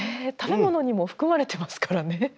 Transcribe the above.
食べ物にも含まれてますからね。